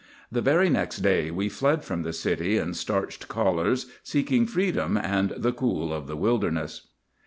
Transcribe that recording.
The very next day we fled from the city and starched collars, seeking freedom and the cool of the wilderness.